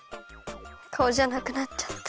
かおじゃなくなっちゃった。